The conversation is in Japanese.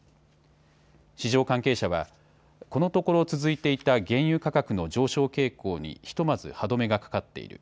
市場関係者はこのところ続いていた原油価格の上昇傾向にひとまず歯止めがかかっている。